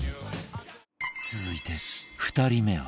続いて２人目は